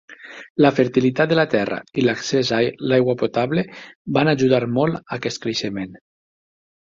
La fertilitat de la terra i l'accés a l'aigua potable van ajudar molt aquest creixement.